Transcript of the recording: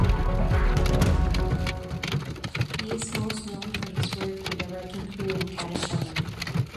He is most known for his work with the Wrecking Crew in California.